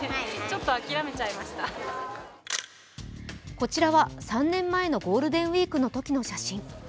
こちらは３年前のゴールデンウイークのときの写真。